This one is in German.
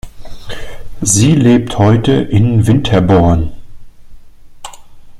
Sie lebt heute in Winterborn.